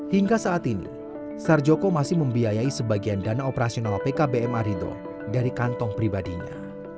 hingga saat ini sarjoko masih membiayai sebagian dana operasional pkbm arido dari kantong pribadinya